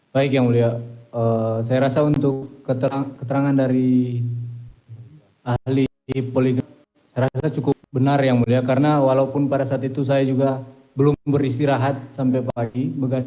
baik yang mulia saya rasa untuk keterangan dari ahli poligraf saya rasa cukup benar yang mulia karena walaupun pada saat itu saya juga belum beristirahat sampai pagi